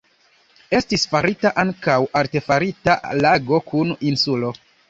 Estis farita ankaŭ artefarita lago kun insulo.